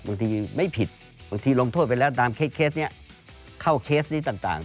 บางทีไม่ผิดบางทีลงโทษไปแล้วตามเคสนี้เข้าเคสนี้ต่าง